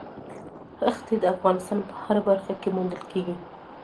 ښتې د افغانستان په هره برخه کې موندل کېږي.